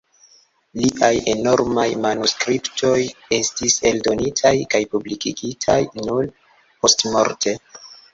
Liaj enormaj manuskriptoj estis eldonitaj kaj publikigitaj nur postmorte.